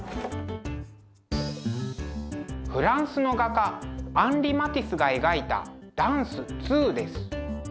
フランスの画家アンリ・マティスが描いた「ダンスⅡ」です。